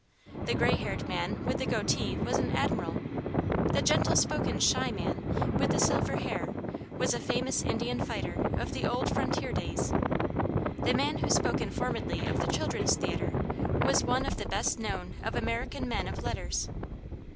The gray haired man with the goatee was an admiral. The gentle spoken, shy man with the silver hair was a famous Indian fighter of the old frontier days. The man who spoke informedly of the Children's Theatre was one of the best known of American men of letters.